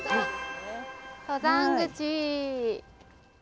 登山口。